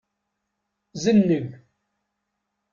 Zenneg.